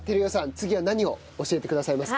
次は何を教えてくださいますか？